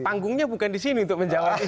panggungnya bukan di sini untuk menjawab